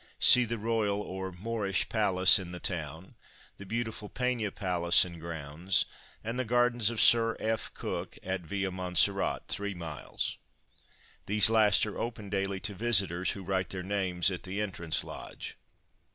See the Royal or Moorish Palace in the town, the beautiful Pena Palace and grounds, and the gardens of Sir F. Cook at Villa Montserrate (3m). These last are open daily to visitors who write their names at the entrance lodge.